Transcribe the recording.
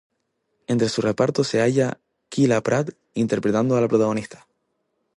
Entre su reparto se halla Kyla Pratt interpretando a la protagonista.